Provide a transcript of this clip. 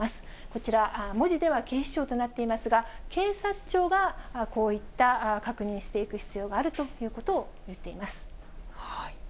こちら、文字では警視庁となっていますが、警察庁がこういった確認していく必要があるということをいっています。